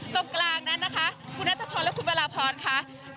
ตรงกลางนั้นนะคะคุณนัทพรและคุณเวลาพรค่ะ